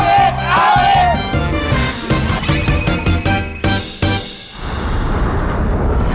เอาอีกเอาอีก